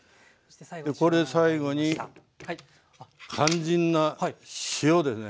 これ最後に肝心な塩ですね。